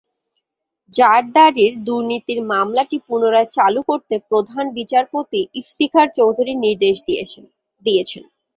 জারদারির দুর্নীতির মামলাটি পুনরায় চালু করতে প্রধান বিচারপতি ইফতিখার চৌধুরী নির্দেশ দিয়েছিলেন।